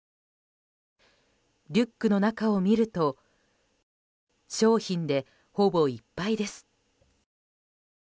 リュックの中を見ると商品で、ほぼいっぱいです。